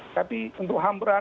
tapi untuk ham berat